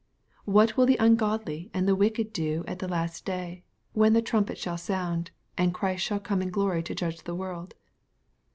What will the ungodly and tho wicked do at the last day, when the trumpet shall sound, and Christ shall come in glory to judge the world